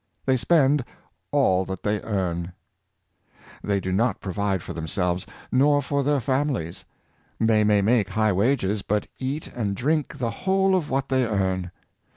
They spend all that they earn. Economy and Capital, 401 They do not provide for themselves; nor for their families. They may make high wages, but cat and drink the whole of what they earn.